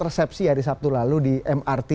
resepsi ya di sabtu lalu di mrt